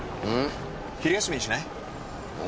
昼休みにしない？え？